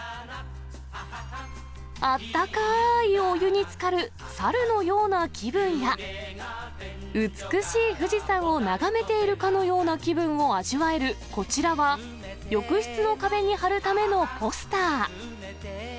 あったかいお湯につかる猿のような気分や、美しい富士山を眺めているかのような気分を味わえるこちらは、浴室の壁に張るためのポスター。